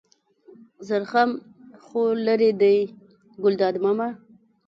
زرخم خو لېرې دی ګلداد ماما.